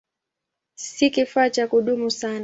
Si kifaa cha kudumu sana.